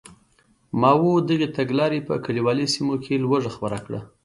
ماوو دغې تګلارې په کلیوالي سیمو کې لوږه خپره کړه.